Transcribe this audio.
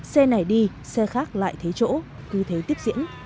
xe này đi xe khác lại thấy chỗ cứ thế tiếp diễn